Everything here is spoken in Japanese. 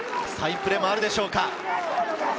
サインプレーがあるでしょうか？